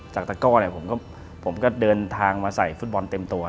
จากตะก้อผมก็เดินทางมาใส่ฟุตบอลเต็มตัว